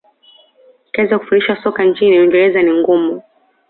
kazi ya kufundisha soka nchini uingereza ni ngumu